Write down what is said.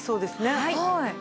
はい。